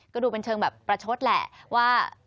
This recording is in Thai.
ก็ดูเป็นเชิงแบบประชดแหละว่า